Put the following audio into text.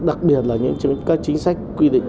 đặc biệt là những chính sách quy định